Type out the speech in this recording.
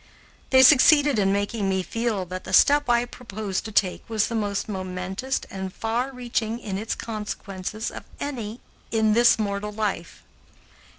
They succeeded in making me feel that the step I proposed to take was the most momentous and far reaching in its consequences of any in this mortal life.